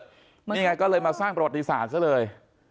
ไม่เคยเกิดแล้วเกิดตามเนี่ยล่ะก็เลยมาสร้างประวัติศาสตร์ซะเลย